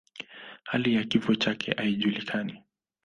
Hali ya kifo chake haijulikani.